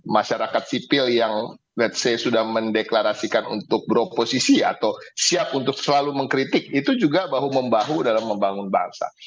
masyarakat sipil yang ⁇ lets ⁇ say sudah mendeklarasikan untuk beroposisi atau siap untuk selalu mengkritik itu juga bahu membahu dalam membangun bangsa